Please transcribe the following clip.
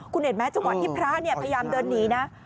คุณเห็นมั้ยจังหวัดที่พระพยามเดินหนีนะ